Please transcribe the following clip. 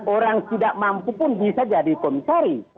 orang tidak mampu pun bisa jadi komisari